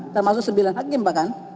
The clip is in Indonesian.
termasuk sembilan hakim bahkan